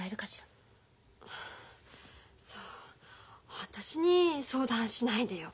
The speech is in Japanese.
さあ私に相談しないでよ。